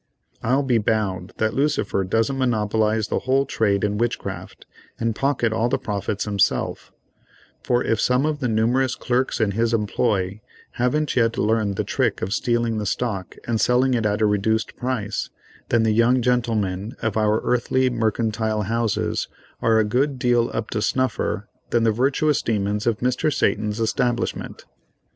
I'll be bound that Lucifer doesn't monopolize the whole trade in witchcraft, and pocket all the profits himself; for if some of the numerous clerks in his employ haven't yet learned the trick of stealing the stock and selling it at a reduced price, then the young gentlemen of our earthly mercantile houses are a good deal up to snuffer than the virtuous demons of Mr. Satan's establishment.